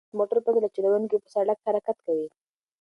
دا اتومات موټر پرته له چلوونکي په سړک حرکت کوي.